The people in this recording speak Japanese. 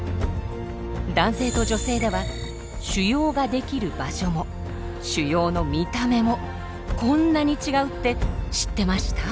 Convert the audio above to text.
男性と女性では腫瘍が出来る場所も腫瘍の見た目もこんなに違うって知ってました？